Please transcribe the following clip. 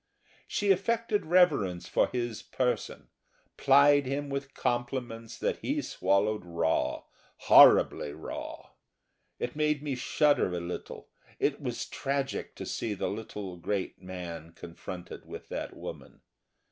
She affected reverence for his person, plied him with compliments that he swallowed raw horribly raw. It made me shudder a little; it was tragic to see the little great man confronted with that woman.